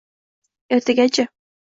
Ertagachi?